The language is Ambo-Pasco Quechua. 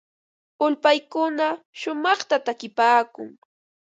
Ulpaykuna shumaqta takipaakun.